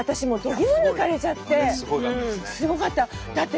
すごかった。